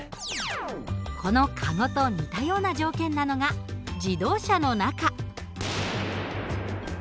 このカゴと似たような条件なのが自動車の中。